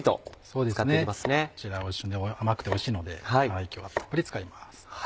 こちらは旬で甘くておいしいので今日はたっぷり使います。